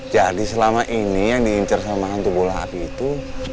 jadi selama ini yang diincer sama hantu bola api itu